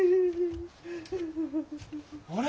あれ？